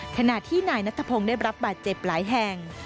ขณะที่นายนัทพงศ์ได้รับบาดเจ็บหลายแห่ง